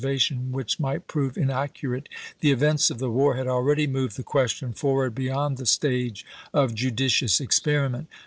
vations which might prove inaccurate, the events of the war had already moved the question forward be yond the stage of judicious experiment.